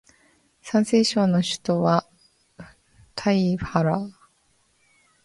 山西省の省都は太原である